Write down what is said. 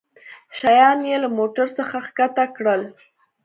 شيان يې له موټرڅخه کښته کړل.